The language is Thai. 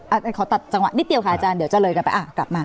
ขอตัดจังหวะนิดเดียวค่ะอาจารย์เดี๋ยวเจริญกันไปกลับมา